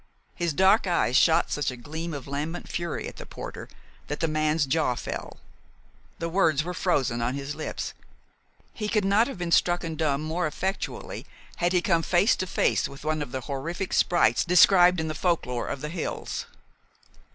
His dark eyes shot such a gleam of lambent fury at the porter that the man's jaw fell. The words were frozen on his lips. He could not have been stricken dumb more effectually had he come face to face with one of the horrific sprites described in the folklore of the hills.